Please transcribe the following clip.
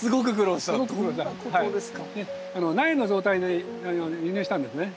苗の状態で輸入したんですね。